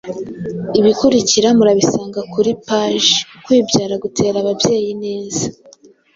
Ibikurikira murabisanga kuri paji Ukwibyara gutera ababyeyi ineza